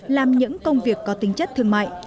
làm những công việc có tính chất thương mại